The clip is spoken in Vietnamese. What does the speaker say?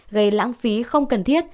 gây lãng phí không cần thiết